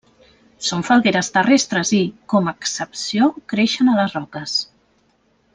Són falgueres terrestres i, com a excepció, creixen a les roques.